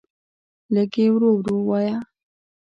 لږ یی ورو ورو وایه